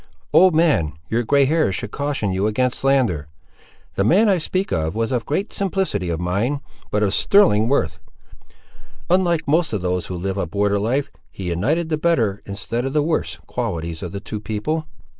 "Old man, your grey hairs should caution you against slander. The man I speak of was of great simplicity of mind, but of sterling worth. Unlike most of those who live a border life, he united the better, instead of the worst, qualities of the two people.